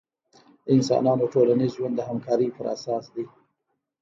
د انسانانو ټولنیز ژوند د همکارۍ پراساس دی.